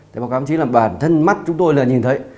thì báo cáo ông chí là bản thân mắt chúng tôi là nhìn thấy